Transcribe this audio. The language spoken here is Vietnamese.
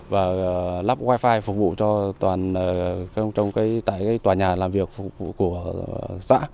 và lắp wifi phục vụ cho toàn tài tài tòa nhà làm việc của xã